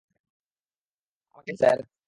আমাকে ডেকেছেন স্যার?